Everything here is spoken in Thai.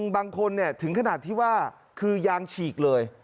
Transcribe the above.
บางคนถึงขนาดที่ว่าคือยางฉีกเลย